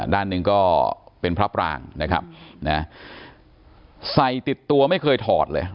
ด้านหนึ่งก็เป็นพระปรางนะครับนะใส่ติดตัวไม่เคยถอดเลย